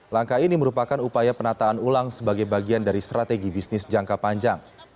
langkah ini merupakan upaya penataan ulang sebagai bagian dari strategi bisnis jangka panjang